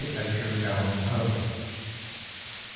Edgar Allan Poe 762.